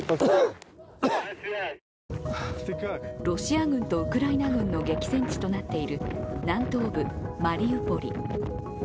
ロシア軍とウクライナ軍の激戦地となっている南東部マリウポリ。